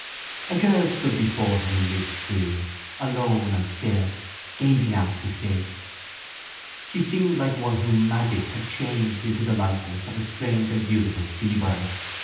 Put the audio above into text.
A girl stood before him in midstream, alone and still, gazing out to sea. She seemed like one whom magic had changed into the likeness of a strange and beautiful seabird.